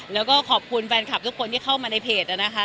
แล้วก็ขอบคุณแฟนคลับทุกคนที่เข้ามาในเพจนะคะ